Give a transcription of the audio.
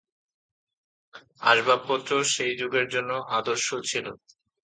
আসবাবপত্র সেই যুগের জন্য আদর্শ ছিল।